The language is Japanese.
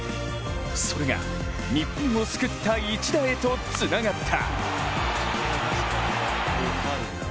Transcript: それが、日本を救った一打へとつながった。